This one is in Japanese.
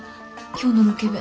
今日のロケ弁